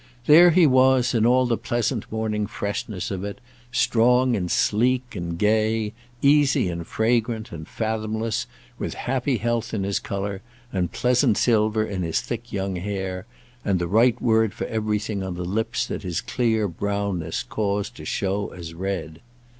There he was in all the pleasant morning freshness of it—strong and sleek and gay, easy and fragrant and fathomless, with happy health in his colour, and pleasant silver in his thick young hair, and the right word for everything on the lips that his clear brownness caused to show as red.